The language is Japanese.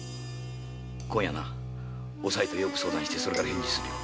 今夜おさいとよく相談してそれから返事するよ。